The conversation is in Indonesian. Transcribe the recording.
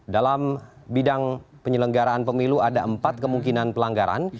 dalam bidang penyelenggaraan pemilu ada empat kemungkinan pelanggaran